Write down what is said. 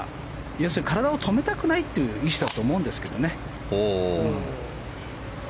要するに体を止めたくないという意思だと思うんですけどね。